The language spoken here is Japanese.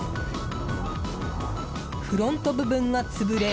フロント部分が潰れ